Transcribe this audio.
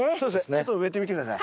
ちょっと植えてみて下さい。